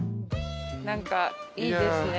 何かいいですね。